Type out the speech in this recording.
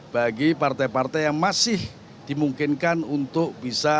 bagi partai partai yang masih dimungkinkan untuk bisa